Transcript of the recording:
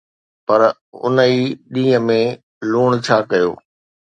پر اُن ئي ڏينهن ۾ لوڻ ڇا ڪيو؟